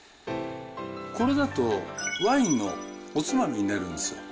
これだと、ワインのおつまみになるんですよ。